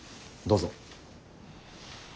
どうぞ。